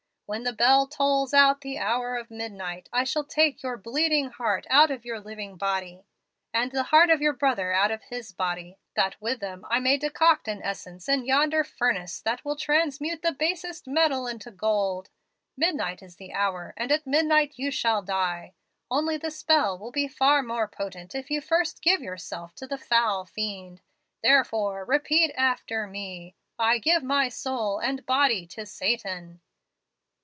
When the bell tolls out the hour of midnight, I shall take your bleeding heart out of your living body, and the heart of your brother out of his body, that with them I may decoct an essence in yonder furnace that will transmute the basest metal into gold. Midnight is the hour, and at midnight you shall die. Only the spell will be far more potent if you first give yourself to the foul fiend. Therefore, repeat after me: 'I give my soul and body to Satan.'